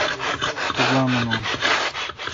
تو گوا منون